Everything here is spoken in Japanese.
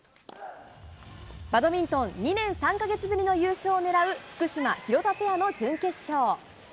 バドミントン、２年３か月ぶりの優勝を狙う福島・廣田ペアの準決勝。